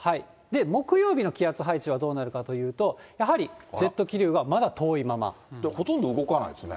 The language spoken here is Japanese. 木曜日の気圧配置はどうなるかというと、やはり、ジェット気ほとんど動かないですね。